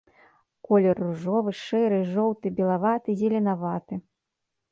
Колер ружовы, шэры, жоўты, белаваты, зеленаваты.